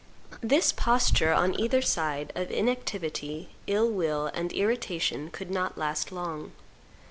This posture, on either side, of inactivity, ill will, and irritation, could not last long.